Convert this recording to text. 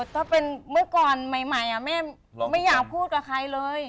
ถ้าเป็นเมื่อก่อนใหม่แม่ไม่อยากพูดกับใครเลย